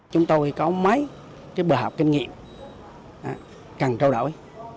chúng tôi có mấy bài học kinh nghiệm cần trao đổi